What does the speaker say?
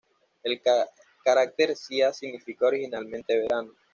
El carácter "xia" significa originalmente "verano".